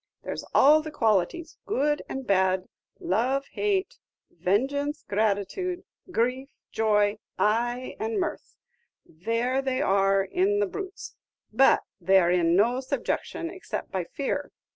There 's all the qualities, good and bad, love, hate, vengeance, gratitude, grief, joy, ay, and mirth, there they are in the brutes; but they 're in no subjection, except by fear.